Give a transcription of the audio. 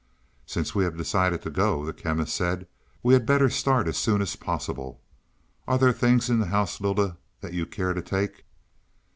"Since we have decided to go," the Chemist said, "we had better start as soon as possible. Are there things in the house, Lylda, that you care to take?"